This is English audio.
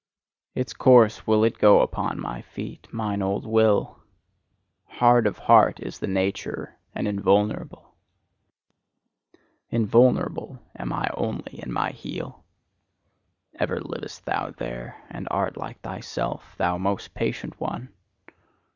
Its course will it go upon my feet, mine old Will; hard of heart is its nature and invulnerable. Invulnerable am I only in my heel. Ever livest thou there, and art like thyself, thou most patient one!